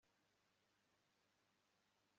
gusa nizere ko ubu butumwa bubasuhuje neza